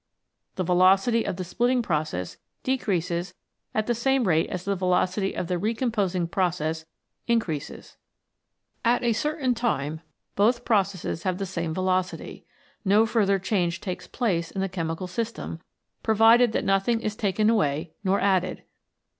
The velocity of the splitting process decreases at the same rate as the velocity of the recomposing process increases. At a certain time both processes have the same velocity. No further change takes place in the chemical system, provided that nothing is taken 80 VELOCITY OF REACTIONS away nor added.